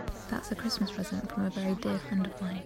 That's a Christmas present from a very dear friend of mine.